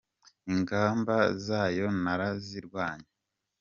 Ingamba zayo narazirwanye!